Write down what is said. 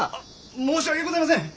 申し訳ございません！